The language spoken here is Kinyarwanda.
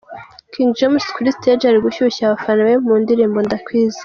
King James kuri stage ari gushyushya abafana be mu ndirimbo Ndakwizera.